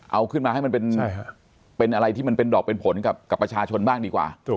เอาขึ้นมาให้มันเป็นอะไรที่มันเป็นดอกเป็นผลกับประชาชนบ้างดีกว่า